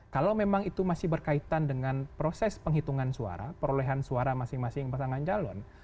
kalau memang itu masih berkaitan dengan proses penghitungan suara perolehan suara masing masing pasangan calon